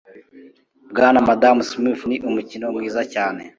Bwana na Madamu Smith ni umukino mwiza.